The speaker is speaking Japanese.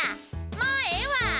もうええわ！